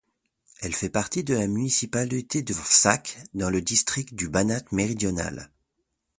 Elle fait partie de la municipalité de Vršac dans le district du Banat méridional.